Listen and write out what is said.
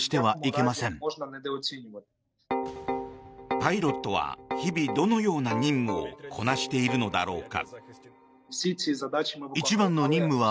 パイロットは日々、どのような任務をこなしているのだろうか。